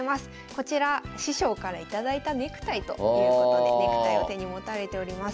こちら師匠から頂いたネクタイということでネクタイを手に持たれております。